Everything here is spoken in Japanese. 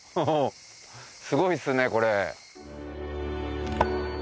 すごいですねこれ。